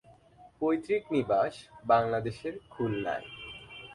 পৈতৃক নিবাস বাংলাদেশের খুলনায়।